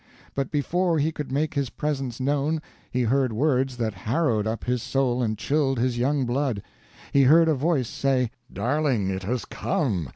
But before he could make his presence known he heard words that harrowed up his soul and chilled his young blood, he heard a voice say: "Darling, it has come!"